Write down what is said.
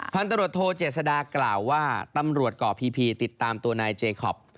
พันตรวจโทเจษดากล่าวว่าตำรวจเกาะพีพีติดตามตัวนายเจคอป